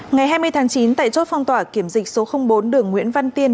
ngày hai mươi tháng chín tại chốt phong tỏa kiểm dịch số bốn đường nguyễn văn tiên